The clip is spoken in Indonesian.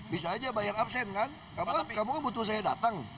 bisa aja bayar absen kan kamu kan butuh saya datang